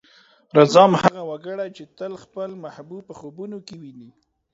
رځام: هغه وګړی چې تل خپل محبوب په خوبونو کې ويني.